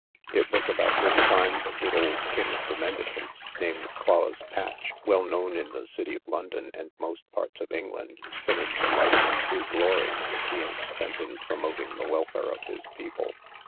It was about this time the good old king of the mendicants, named Clause Patch, well known in the city of London, and most parts of England, finished a life of true glory, being spent in promoting the welfare of his people.